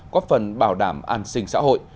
có phần bảo đảm an sinh xã hội